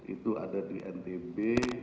itu ada di ntb